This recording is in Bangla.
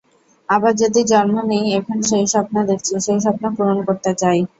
আবার যদি জন্ম নিইএখন যেই স্বপ্ন দেখছি, সেই স্বপ্ন পূরণ করতে চাই।